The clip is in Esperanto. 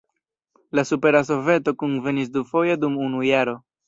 La Supera Soveto kunvenis dufoje dum unu jaro.